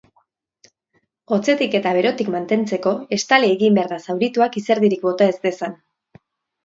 Hotzetik eta berotik mantentzeko estali egin behar da zaurituak izerdirik bota ez dezan.